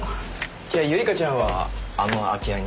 じゃあ唯香ちゃんはあの空き家に。